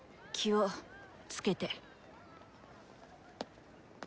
気をつけて。